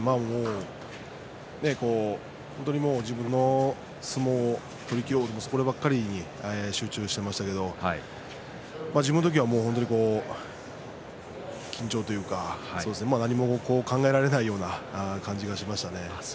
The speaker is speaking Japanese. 本当にもう自分の相撲を取り切ろう、そればかり集中していましたけど自分の時は緊張というか何も考えられないような感じがしましたね。